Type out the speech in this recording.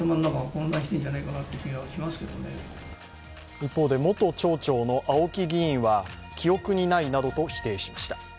一方で元町長の青木議員は記憶にないなどと否定しました。